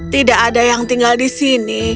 tidak ada yang tinggal di sini